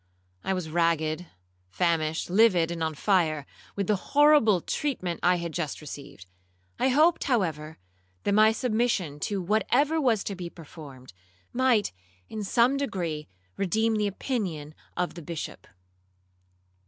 I was ragged, famished, livid, and on fire, with the horrible treatment I had just received. I hoped, however, that my submission to whatever was to be performed, might, in some degree, redeem the opinion of the Bishop.